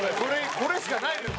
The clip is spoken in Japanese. これしかないのよ。